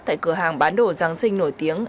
tại cửa hàng bán đồ giáng sinh nổi tiếng